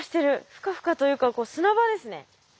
フカフカというか砂場ですね。